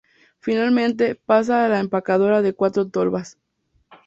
Finalmente, pasa a la empacadora de cuatro tolvas.